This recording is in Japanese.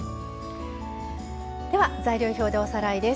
材料表でおさらいです。